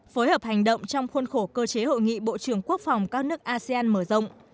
phối hợp hành động trong khuôn khổ cơ chế hội nghị bộ trưởng quốc phòng các nước asean mở rộng